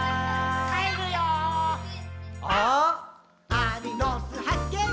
アリの巣はっけん